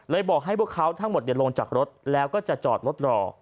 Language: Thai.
บอกให้พวกเขาทั้งหมดลงจากรถแล้วก็จะจอดรถรอ